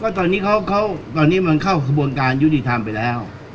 ตอนนี้เขาตอนนี้มันเข้ากระบวนการยุติธรรมไปแล้ว